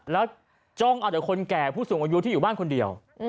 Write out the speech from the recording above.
แล้วจ้องเอาแต่คนแก่ผู้สูงอายุที่อยู่บ้านคนเดียว